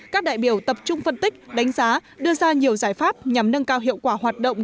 các đại biểu tập trung phân tích đánh giá đưa ra nhiều giải pháp nhằm nâng cao hiệu quả hoạt động